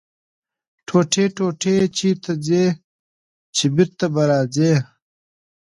ـ ټوټې ټوټې چېرته ځې ،چې بېرته به راځې.